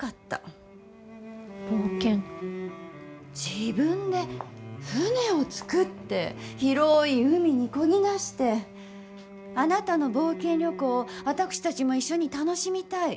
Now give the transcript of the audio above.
自分で舟を作って広い海にこぎ出してあなたの冒険旅行を私たちも一緒に楽しみたい。